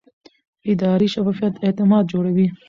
اداري شفافیت اعتماد جوړوي